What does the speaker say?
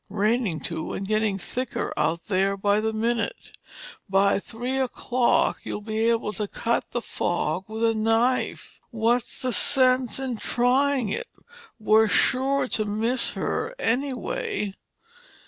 Raining too, and getting thicker out there by the minute. By three o'clock you'll be able to cut the fog with a knife. What's the sense in trying it—we're sure to miss her, anyway."